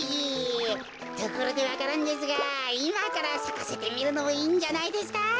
ところでわか蘭ですがいまからさかせてみるのもいいんじゃないですか？